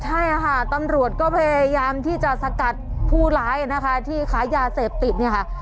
ใช่ค่ะตำรวจก็พยายามที่จะสกัดผู้ร้ายนะคะที่ขายยาเสพติดเนี่ยค่ะ